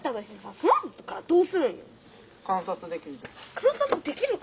観察できるか？